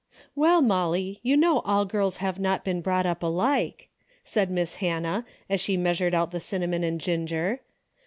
"Well, Molly, you know all girls have not been brought up alike," said Miss Hannah, as she measured out the cinnamon and ginger.